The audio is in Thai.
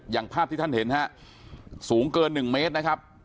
อย่างภาพที่ท่านเห็นฮะสูงเกิน๑เมตรนะครับ